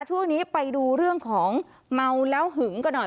ช่วงนี้ไปดูเรื่องของเมาแล้วหึงกันหน่อย